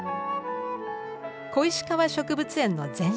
小石川植物園の前身